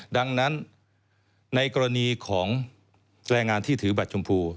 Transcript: ดังนั้นในกรณีของแรงงานที่ถือบัตรชมพู